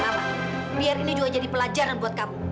biar ini juga jadi pelajaran buat kamu